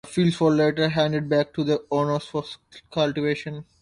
The fields were later handed back to their owners for cultivation.